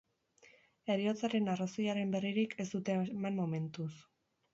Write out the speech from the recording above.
Heriotzaren arrazoiaren berririk ez dute eman momentuz.